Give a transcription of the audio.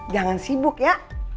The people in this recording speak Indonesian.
jangan sibuk ya